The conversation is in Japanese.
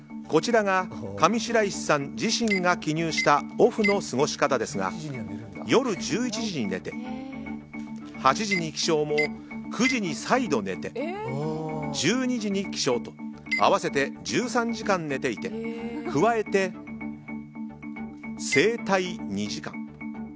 こちらが上白石さん自身が記入したオフの過ごし方ですが夜１１時に寝て８時に起床も、９時に再度寝て１２時に起床と合わせて１３時間寝ていて加えて、整体２時間。